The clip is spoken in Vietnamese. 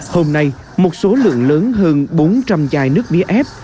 hôm nay một số lượng lớn hơn bốn trăm linh chai nước mía ép